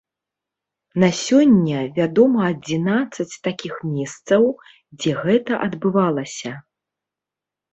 На сёння вядома адзінаццаць такіх месцаў, дзе гэта адбывалася.